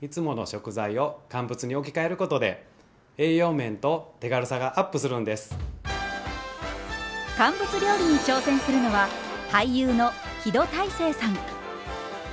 肉や魚など乾物料理に挑戦するのは俳優の木戸大聖さん。